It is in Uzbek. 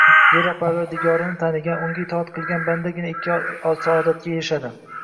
Zero, Parvardigorini tanigan, Unga itoat etgan bandagina ikki dunyo saodatiga erishadi.